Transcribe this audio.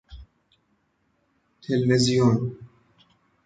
تلوزیون